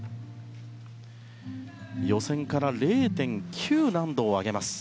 予選から０．９難度を上げました